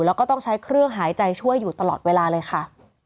แล้วก็ต้องใช้เครื่องหายใจช่วยอยู่ตลอดเวลาเลยค่ะ